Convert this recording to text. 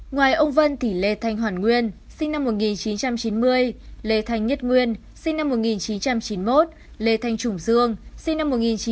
ngoài ông vân thì lê thanh hoàn nguyên lê thanh nhất nguyên lê thanh trùng dương